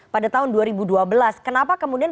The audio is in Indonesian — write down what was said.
pada tahun dua ribu dua belas kenapa kemudian